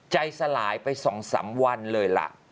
ใจสลายไปสองสามวันเลยล่ะ